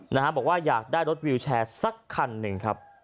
นะฮะบอกว่าอยากได้รถวิวแชร์สักคันหนึ่งครับ